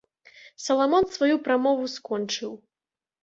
Саламон сваю прамову скончыў.